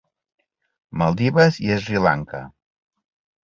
Maldives i Sri Lanka.